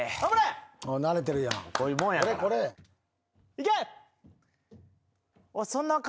いけ！